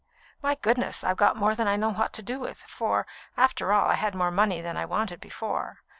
My goodness! I've got more than I know what to do with, for, after all, I had more money than I wanted before.